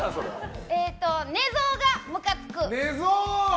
寝相がムカつく。